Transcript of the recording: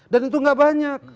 dan itu enggak banyak